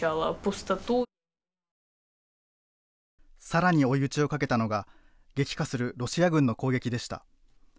さらに追い打ちをかけたのが激化するロシア軍の攻撃でした。